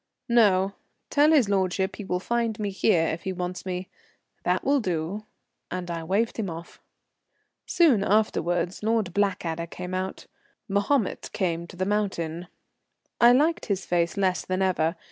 "No. Tell his lordship he will find me here if he wants me. That will do," and I waved him off. Soon afterwards Lord Blackadder came out. Mahomet came to the mountain. I liked his face less than ever.